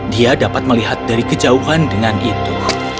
dia dapat melihat dari kejauhan dengan itu